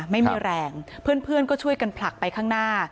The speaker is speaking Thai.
ไม่มีแรงเพื่อนก็ช่วยกันผลักไปข้างหน้า